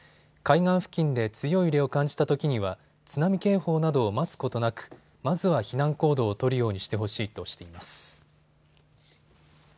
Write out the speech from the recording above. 海岸付近で強い揺れを感じたときには津波警報などを待つことなくまずは避難行動を取るようにしてほしいとしています。